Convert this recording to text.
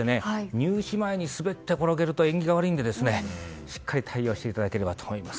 入試前に滑って転ぶと縁起が悪いのでしっかり対応していただければと思います。